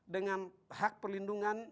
dengan hak pelindungan